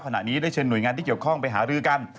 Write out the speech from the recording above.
ขณะนี้ได้เชิญหน่วยงานที่เกี่ยวข้องไปหารือกัน